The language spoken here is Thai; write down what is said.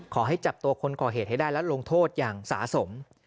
ขอให้จับตัวคนก่อเหตุให้ได้และลงโทษอย่างสะสม